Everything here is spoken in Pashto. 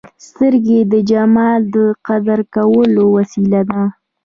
سترګې د جمال د قدر کولو وسیله ده